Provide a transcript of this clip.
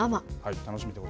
お楽しみです。